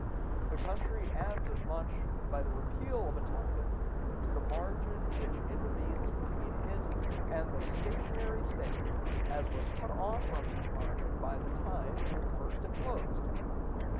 The country adds as much, by the repeal of a tithe, to the margin which intervenes between it and the stationary state as was cut off from that margin by the tithe when first imposed.